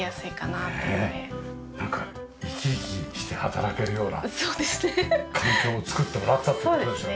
なんか生き生きして働けるような環境を作ってもらったって事ですよね。